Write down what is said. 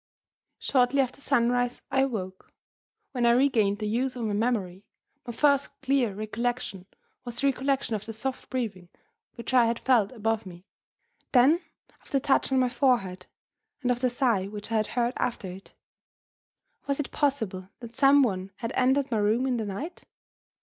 Shortly after sunrise, I awoke. When I regained the use of my memory, my first clear recollection was the recollection of the soft breathing which I had felt above me then of the touch on my forehead, and of the sigh which I had heard after it. Was it possible that some one had entered my room in the night?